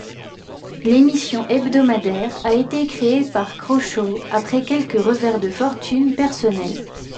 L'émission hebdomadaire a été créée par Croshaw après quelques revers de fortune personnels.